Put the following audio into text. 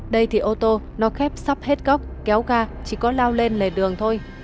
đây thì ô tô nó khép sắp hết cốc kéo ga chỉ có lao lên lề đường thôi